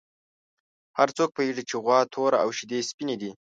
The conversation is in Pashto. هر څوک پوهېږي چې غوا توره او شیدې یې سپینې دي.